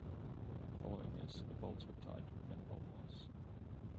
Following this, the bolts were tied to prevent bolt loss.